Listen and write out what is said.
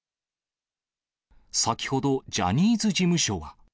先ほど、ジャニーズ事務所は。